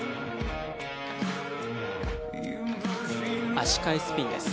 足換えスピンです。